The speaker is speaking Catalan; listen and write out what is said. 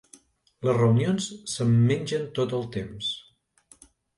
Les reunions se'm mengen tot el temps.